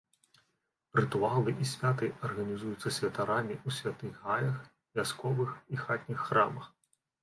Рытуалы і святы арганізуюцца святарамі ў святых гаях, вясковых і хатніх храмах.